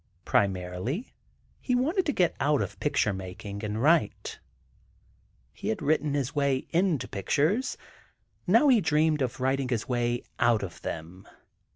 Primarily, he wanted to get out of picture making, and write. He had written his way into pictures, now he dreamed of writing his way out of them.